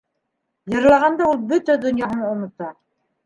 Йырлағанда ул бөтә донъяһын онота.